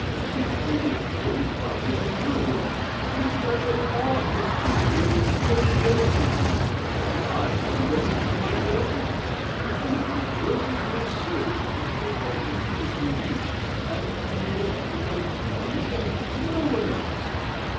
The Idiot here is proud of his children, and is glad they are his children and nobody else's. I am wedded to my rare books, and it rejoices my soul to pick up a volume that is unique, and to know that it belongs to me and to no one else.